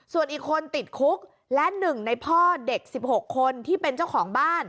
ส่วนอีกคนติดคุกและ๑ในพ่อเด็ก๑๖คนที่เป็นเจ้าของบ้าน